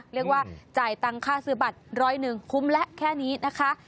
เรียกว่าจ่ายตังค่าซื้อบัตร๑๐๑คุ้มและแค่นี้นะคะ